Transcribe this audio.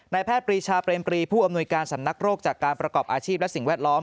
แพทย์ปรีชาเปรมปรีผู้อำนวยการสำนักโรคจากการประกอบอาชีพและสิ่งแวดล้อม